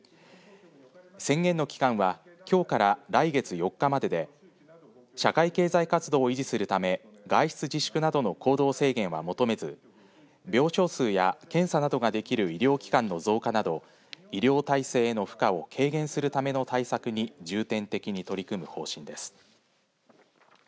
宣言の期間はきょうから来月４日までで社会経済活動を維持するため外出自粛などの行動制限は求めず病床数や検査などができる医療機関の増加など医療体制の負荷を軽減するための対策に重点的に取り組む方針です。